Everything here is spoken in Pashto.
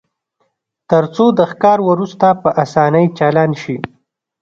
ترڅو د ښکار وروسته په اسانۍ چالان شي